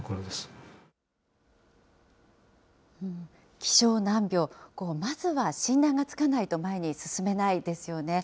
希少難病、まずは診断がつかないと前に進めないですよね。